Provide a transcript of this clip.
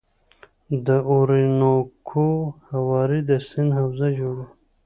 د اورینوکو هوارې د سیند حوزه جوړوي.